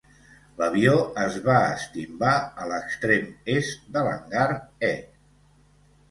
L'avió es va estimbar a l'extrem est de l'hangar E.